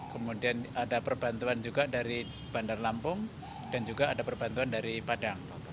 kemudian ada perbantuan juga dari bandar lampung dan juga ada perbantuan dari padang